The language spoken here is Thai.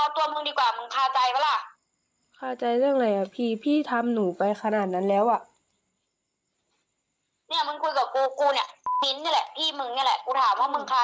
กูถามว่ามึงคาใจกับกูอีกไหมจะให้ใครมาแก้เปล่า